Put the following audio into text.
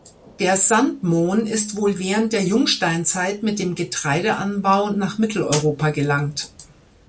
Der Sand-Mohn ist wohl während der Jungsteinzeit mit dem Getreideanbau nach Mitteleuropa gelangt.